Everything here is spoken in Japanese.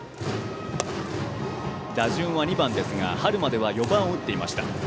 打順は２番ですが春までは４番を打っていました。